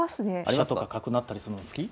「飛車とか角成ったりするの好き？」。